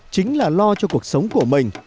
chính là lo cho cuộc sống của mình